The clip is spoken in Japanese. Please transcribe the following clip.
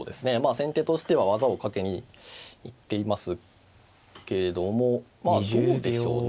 先手としては技をかけに行っていますけれどもどうでしょうね